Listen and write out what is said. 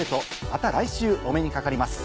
また来週お目にかかります。